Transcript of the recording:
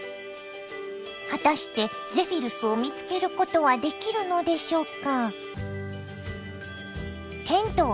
果たしてゼフィルスを見つけることはできるのでしょうか？